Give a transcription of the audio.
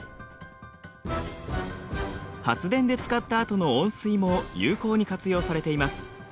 発電で使ったあとの温水も有効に活用されています。